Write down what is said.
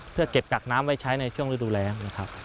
เพื่อเก็บกักน้ำไว้ใช้ในช่วงฤดูแรงนะครับ